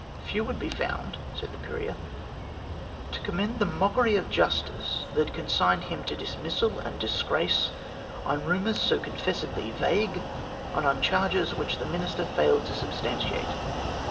"Few would be found," said the Courier, "to commend the mockery of justice that consigned him to dismissal and disgrace on rumours so confessedly vague, and on charges which the Minister failed to substantiate.